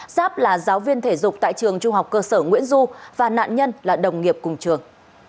giáp là giáo viên thể dục tại trường trung học cơ sở nguyễn du và nạn nhân là đồng nghiệp cùng trường